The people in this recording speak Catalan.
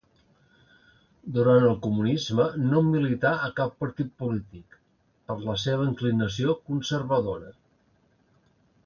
Durant el Comunisme no milità a cap partit polític, per la seva inclinació conservadora.